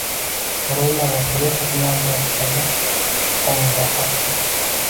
To'lovlar va to'lov tizimlari to'g'risida gi qonun loyihasidan